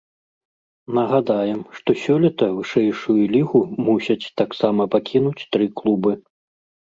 Нагадаем, што сёлета вышэйшую лігу мусяць таксама пакінуць тры клубы.